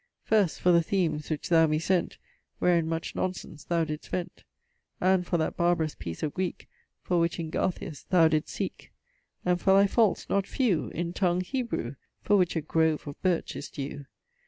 First, for the themes which thou me sent Wherin much nonsense thou didst vent, And for that barbarous piece of Greek For which in Gartheus thou didst seeke. And for thy faults not few, In tongue Hebrew, For which a grove of birch is due.